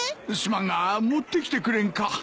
すまんが持ってきてくれんか。